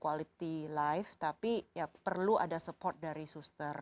quality life tapi ya perlu ada support dari suster nah aplikasi ini membuat si suster itu